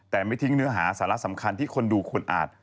แต่ไม่ทิ้งเนื้อหาสาระสำคัญที่คนดูควรอาจ